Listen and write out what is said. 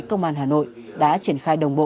công an hà nội đã triển khai đồng bộ